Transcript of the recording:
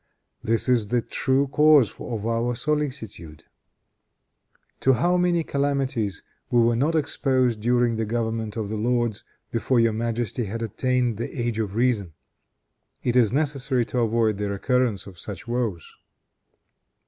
This is the true cause of our solicitude. To how many calamities were we not exposed during the government of the lords, before your majesty had attained the age of reason. It is necessary to avoid the recurrence of such woes."